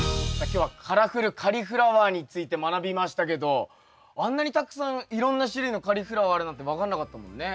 今日はカラフル・カリフラワーについて学びましたけどあんなにたくさんいろんな種類のカリフラワーあるなんて分かんなかったもんね。